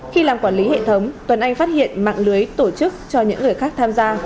khi làm quản lý hệ thống tuấn anh phát hiện mạng lưới tổ chức cho những người khác tham gia